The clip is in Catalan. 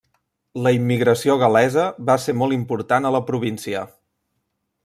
La immigració gal·lesa va ser molt important a la província.